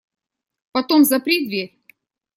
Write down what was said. Потом запри дверь.